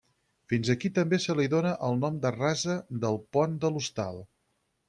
Fins aquí també se li dóna el nom de rasa del Pont de l'Hostal.